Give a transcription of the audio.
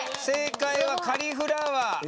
正解はカリフラワー。